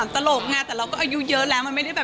ที่ไหนอ่ะ